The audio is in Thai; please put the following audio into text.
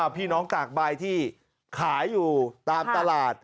พี่น้องตากใบที่ขายอยู่ตามตลาด